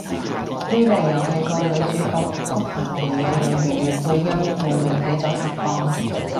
呢隻遊戲個女主角谷恆條嘢有粵語配音，慕名睇咗實況